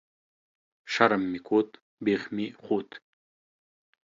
شرم مې کوت ، بيخ مې خوت